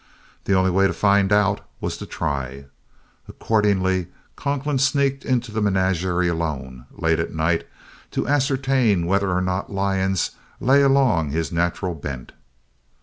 The only way to find out was to try. Accordingly Conklin sneaked into the menagerie alone, late at night, to ascertain whether or not lions lay along his natural bent.